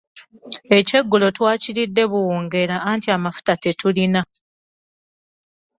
Ekyeggulo twakiridde buwungeera anti amafuta tetulina.